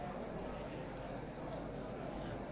ครีมครับ